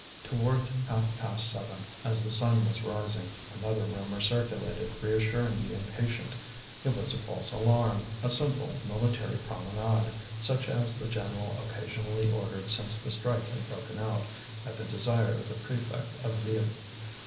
Towards half past seven, as the sun was rising, another rumour circulated, reassuring the impatient. It was a false alarm, a simple military promenade, such as the general occasionally ordered since the strike had broken out, at the desire of the prefect of Lille.